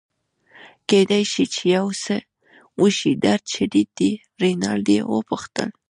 کیدای شي چي یو څه وشي، درد شدید دی؟ رینالډي وپوښتل.